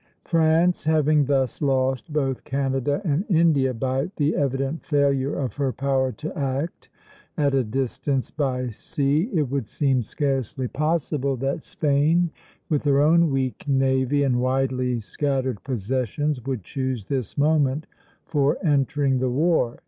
France having thus lost both Canada and India by the evident failure of her power to act at a distance by sea, it would seem scarcely possible that Spain, with her own weak navy and widely scattered possessions, would choose this moment for entering the war.